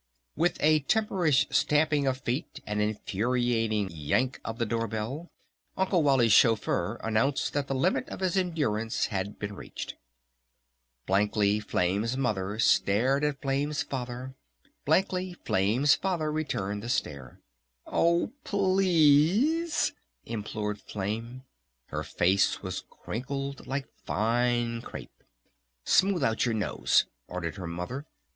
With a temperish stamping of feet, an infuriate yank of the door bell, Uncle Wally's chauffeur announced that the limit of his endurance had been reached. Blankly Flame's Mother stared at Flame's Father. Blankly Flame's Father returned the stare. "Oh, p l e a s e!" implored Flame. Her face was crinkled like fine crêpe. "Smooth out your nose!" ordered her Mother.